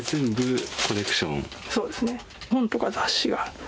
そうですね